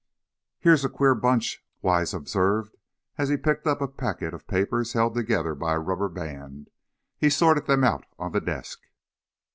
"Here's a queer bunch," Wise observed, as he picked up a packet of papers held together by a rubber band. He sorted them out on the desk.